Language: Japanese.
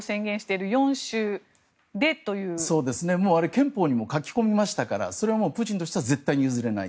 憲法にも書き込みましたからそれはプーチンにとっては絶対に譲れない。